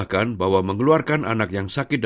untuk merawat anak anak yang sakit